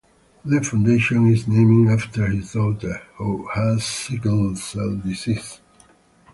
The foundation is named after his daughter, who has sickle-cell disease.